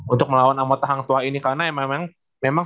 untuk melawan amal tahangtua ini karena memang